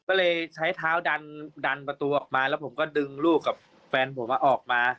ก็เลยใช้เท้าดันประตูออกมาแล้วผมก็ดึงลูกกับแฟนผมออกมา